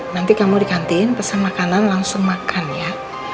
nanti kamu di kantin pesan makanan langsung makan ya